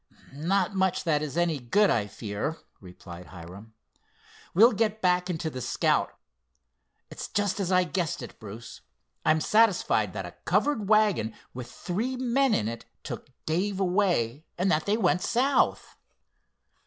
"Not much that is any good, I fear," replied Hiram. "We'll get back into the Scout. It's just as I guessed it, Bruce. I am satisfied that a covered wagon with three men in it took Dave away and that they went south."